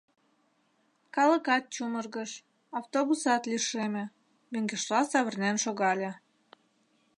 Калыкат чумыргыш, автобусат лишеме, мӧҥгешла савырнен шогале.